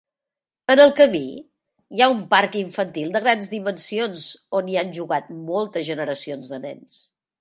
En el camí, hi ha un parc infantil de grans dimensions on hi han jugat moltes generacions de nens.